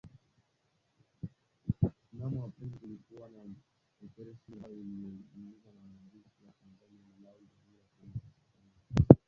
Mnamo aprili kulikuwa na operesheni ambayo iliiyoongozwa na wanajeshi wa Tanzania, Malawi, Jamuhuri ya kidemokrasia ya Kongo na Afrika kusini